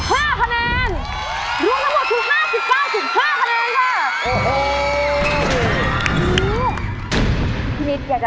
หลวงกันหมด๕๐๕๕คะแนนค่ะ